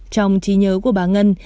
trong trí nhớ của bà ngân